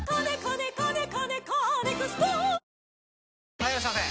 ・はいいらっしゃいませ！